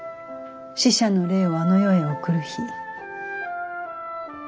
死者の霊をあの世へ送る日。